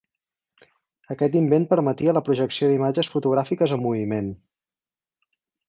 Aquest invent permetia la projecció d'imatges fotogràfiques en moviment.